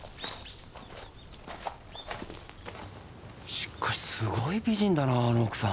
しかしすごい美人だなあの奥さん。